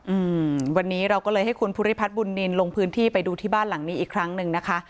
อืมวันนี้เราก็เลยให้คุณภูริพัฒน์บุญนินลงพื้นที่ไปดูที่บ้านหลังนี้อีกครั้งหนึ่งนะคะ